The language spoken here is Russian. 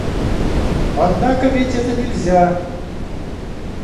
Однако ведь это нельзя.